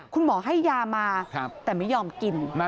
คุณหมอให้ยามาแต่ไม่ยอมกิน